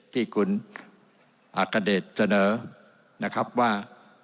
ที่คุณอัคเดชเสนอนะครับว่า